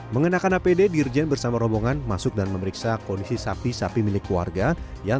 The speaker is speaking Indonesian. mengenakan apd dirjen bersama rombongan masuk dan mengembangkan